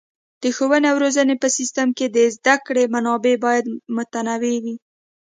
د ښوونې او روزنې په سیستم کې د زده کړې منابع باید متنوع وي.